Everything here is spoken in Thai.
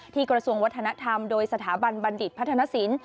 กระทรวงวัฒนธรรมโดยสถาบันบัณฑิตพัฒนศิลป์